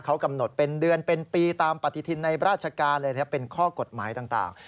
เขากำหนดเป็นเดือนเป็นปีตามปฏิทินในราชการเลยเป็นข้อกฎหมายต่าง